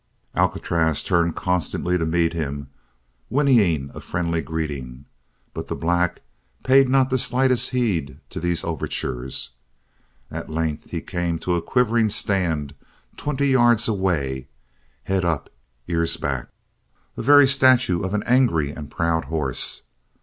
Alcatraz turned constantly to meet him, whinnying a friendly greeting, but the black paid not the slightest heed to these overtures. At length he came to a quivering stand twenty yards away, head up, ears back, a very statue of an angry and proud horse.